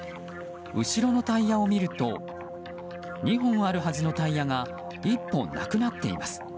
後ろのタイヤを見ると２本あるはずのタイヤが１本なくなっています。